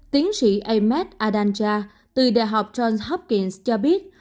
tiến sĩ ahmed adanja từ đại học johns hopkins cho biết